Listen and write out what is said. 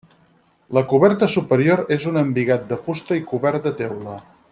La coberta superior és un embigat de fusta i cobert de teula.